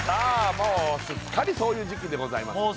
もうすっかりそういう時期でございますね